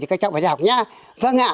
bà nhà học nha vâng ạ